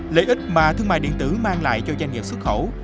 lợi ích mà thương mại điện tử mang lại cho doanh nghiệp xuất khẩu